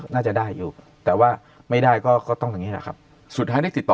น่าจะได้อยู่แต่ว่าไม่ได้ก็ก็ต้องอย่างนี้แหละครับสุดท้ายได้ติดต่อ